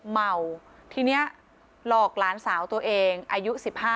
เมาทีนี้หลอกหลานสาวตัวเองอายุ๑๕